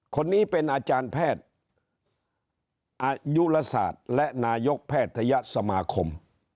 คนนี้เป็นอาจารย์แพทย์อายุลศาสตร์และนายกแพทยสมาคม